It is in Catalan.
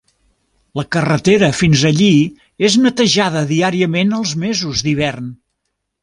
La carretera fins allí és netejada diàriament als mesos d'hivern.